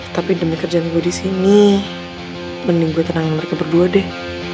tapi demi kerjaan gue disini mending gue tenangin mereka berdua deh